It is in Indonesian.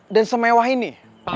dan semewah ini